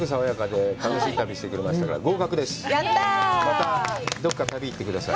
またどこか旅に行ってください。